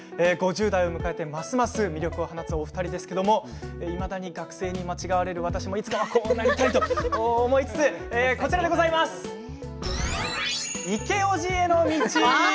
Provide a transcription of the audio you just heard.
５０代を迎えてますます魅力を放つお二人ですけれどいまだに学生に間違われる私もいつかはこうなりたいと思いつつ、こちらでございます。